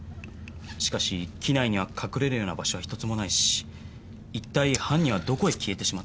しかし機内には隠れるような場所はひとつもないし一体犯人はどこへ消えてしまったのか？